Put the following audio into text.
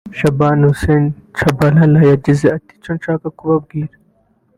Shaban Hussein Tchabalala yagize ati“Icyo nshaka kubabwira